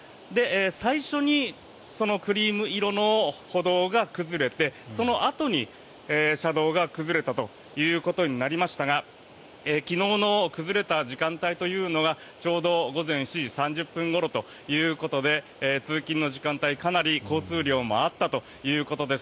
最初にそのクリーム色の歩道が崩れてそのあとに車道が崩れたということになりましたが昨日の崩れた時間帯というのがちょうど午前７時３０分ごろということで通勤の時間帯、かなり交通量もあったということです。